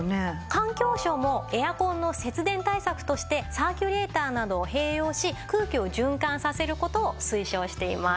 環境省もエアコンの節電対策としてサーキュレーターなどを併用し空気を循環させる事を推奨しています。